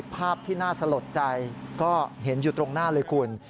ภาพที่น่าสลดใจก็เห็นอยู่ตรงหน้าเลยคุณ